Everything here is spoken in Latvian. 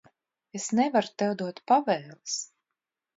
Es nevaru tev dot pavēles.